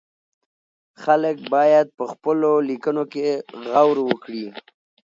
خلک بايد په خپلو ليکنو کې غور وکړي.